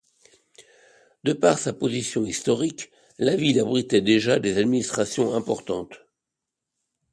De par sa position historique, la ville abritait déjà des administrations importantes.